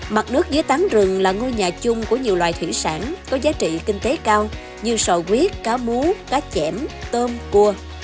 mặt nước dưới tán rừng là ngôi nhà chung của nhiều loài thủy sản có giá trị kinh tế cao như sòi quyết cá mú cá chẻm tôm cua